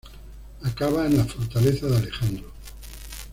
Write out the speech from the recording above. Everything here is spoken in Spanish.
Acaba en la Fortaleza de Alejandro.